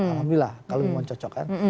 alhamdulillah kalau memang cocok kan